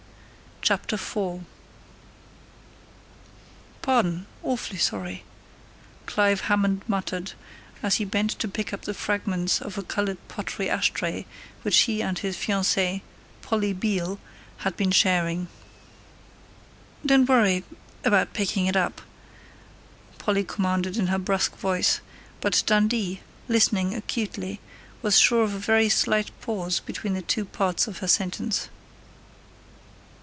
CHAPTER FOUR "Pardon! Awfully sorry," Clive Hammond muttered, as he bent to pick up the fragments of a colored pottery ashtray which he and his fiancée, Polly Beale, had been sharing. "Don't worry about picking it up," Polly commanded in her brusque voice, but Dundee, listening acutely, was sure of a very slight pause between the two parts of her sentence.